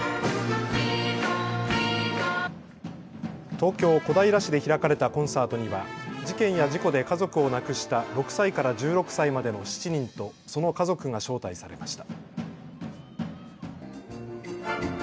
東京小平市で開かれたコンサートには事件や事故で家族を亡くした６歳から１６歳までの７人とその家族が招待されました。